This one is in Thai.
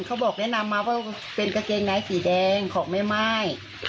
เขาบอกแนะนำมาว่าเป็นกางเกงในสีแดงของแม่ม่าย